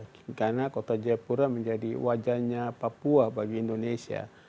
karena kota jayapura menjadi wajahnya papua bagi indonesia